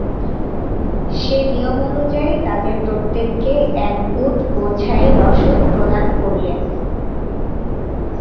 সে নিয়ম অনুযায়ী তাদের প্রত্যেককে এক উট বোঝাই রসদ প্রদান করলেন।